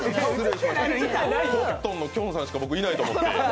コットンのきょんさんしかいないかと思って。